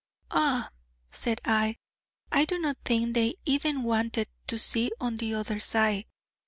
'Ah,' said I, 'I do not think they even wanted to see on the other side.